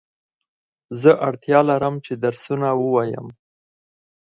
زه اړتیا لرم چي درسونه ووایم